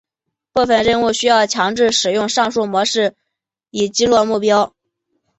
部分任务需要强制使用上述模式以击落目标。